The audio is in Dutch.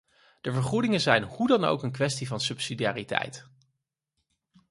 De vergoedingen zijn hoe dan ook een kwestie van subsidiariteit.